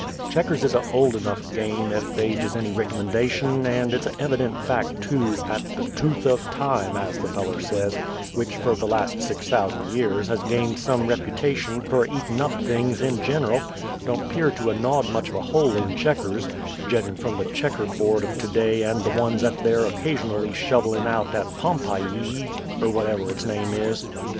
Checkers is a' old enough game, ef age is any rickommendation; and it's a' evident fact, too, 'at "the tooth of time," as the feller says, which fer the last six thousand years has gained some reputation fer a eatin' up things in giner'l, don't 'pear to 'a' gnawed much of a hole in Checkers jedgin' from the checker board of to day and the ones 'at they're uccasionally shovellin' out at _Pom_p'y i, er whatever its name is.